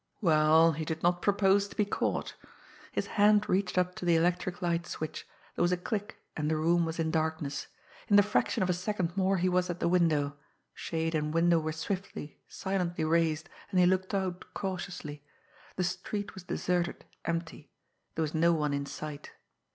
Well, he did not propose to be caught. His hand reached up to the electric light switch, there was a click, and the room was in darkness. In the fraction of a second more he was at the window. Shade and window were swiftly, silently raised, and he looked out cautiously. The street was deserted, empty; there was no one in sight.